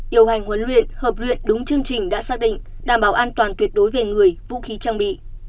điều hành huấn luyện hợp luyện đúng chương trình đã xác định đảm bảo an toàn tuyệt đối về người vũ khí trang bị